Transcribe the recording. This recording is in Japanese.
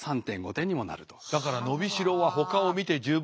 だから伸びしろはほかを見て十分。